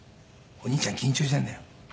お兄ちゃん緊張しているんだよ」